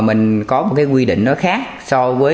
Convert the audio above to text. mình có một cái quy định nó khác so với